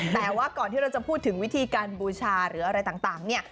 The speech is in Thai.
แต่ว่าก่อนที่เราจะพูดถึงวิธีการบูชาหรืออะไรต่างเนี่ย